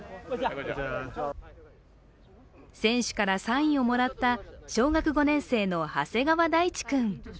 選手からサインをもらった小学５年生の長谷川大地君。